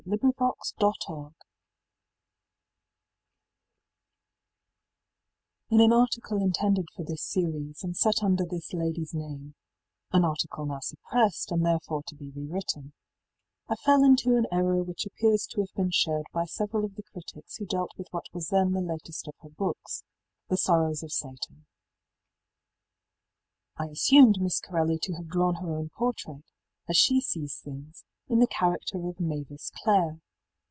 XI. MISS MARIE CORELLI In an article intended for this series and set under this ladyís name (an article now suppressed, and therefore to be re written), I fell into an error which appears to have been shared by several of the critics who dealt with what was then the latest of her books, ëThe Sorrows of Satan,í I assumed Miss Corelli to have drawn her own portrait, as she sees things, in the character of ëMavis Clare.